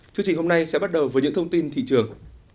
chương trình hôm nay sẽ bắt đầu với những thông tin thị trường